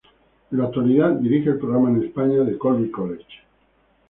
En la actualidad dirige el programa en España de Colby College.